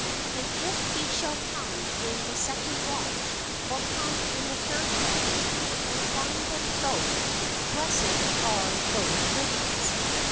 And if he shall come in the second watch, or come in the third watch, and find them so, blessed are those servants.